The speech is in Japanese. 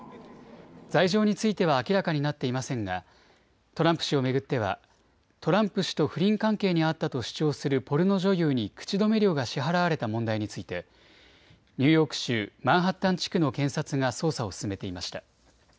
罪状については明らかになっていませんがトランプ氏を巡ってはトランプ氏と不倫関係にあったと主張するポルノ女優に口止め料が支払われた問題についてニューヨーク州マンハッタン地区の検察が捜査を進めていました。